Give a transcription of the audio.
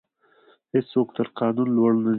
هیڅوک تر قانون لوړ نه دی.